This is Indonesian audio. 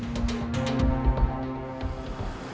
semua harus kebagian